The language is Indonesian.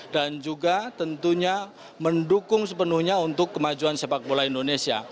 dan juga tentunya mendukung sepenuhnya untuk kemajuan sepak bola indonesia